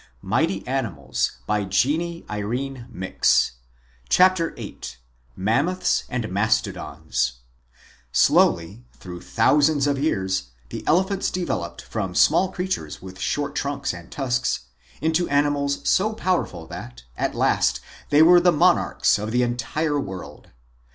Original in American Museum of Natural History) MAMMOTHS AND MASTODONS SLOWLY, through thousands of years, the elephants developed from small creatures with short trunks and tusks, into animals so powerful that, at last, they were the monarchs of the entire world.